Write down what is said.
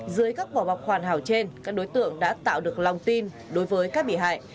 dưới các vỏ bọc hoàn hảo trên các đối tượng đã tạo được lòng tin đối với các bị hại